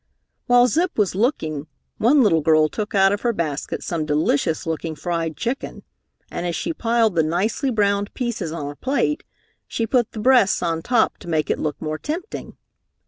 While Zip was looking, one little girl took out of her basket some delicious looking fried chicken, and as she piled the nicely browned pieces on a plate, she put the breasts on top to make it look more tempting.